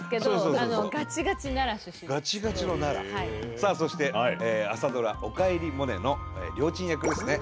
さあそして朝ドラ「おかえりモネ」のりょーちん役ですね。